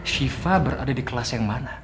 shiva berada di kelas yang mana